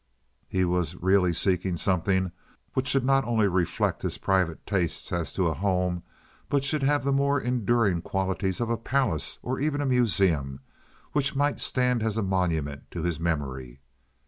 He was really seeking something which should not only reflect his private tastes as to a home, but should have the more enduring qualities of a palace or even a museum, which might stand as a monument to his memory.